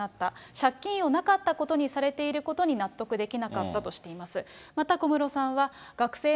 借金をなかったことにされていることに納得できなかったとしています。